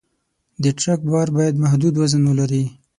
د ټرک بار باید محدود وزن ولري.